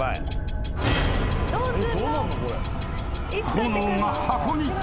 ［炎が箱に］